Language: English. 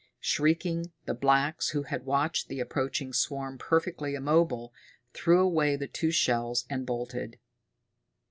Shrieking, the blacks, who had watched the approaching swarm perfectly immobile, threw away the two shells and bolted.